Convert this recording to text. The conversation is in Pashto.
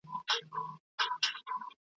د ماشوم پر شونډو سپین ځگونه ښکاره شول.